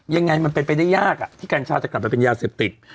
ยังไงมันเป็นไปได้ยากที่กัญชาจะกลับมาเป็นยาเสพติด